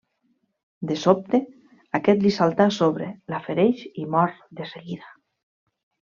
De sobte, aquest li salta a sobre, la fereix i mor de seguida.